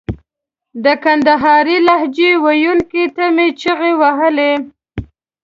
د کندهارۍ لهجې ویونکو ته مې چیغې وهلې.